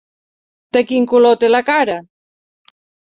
De quin color té la cara?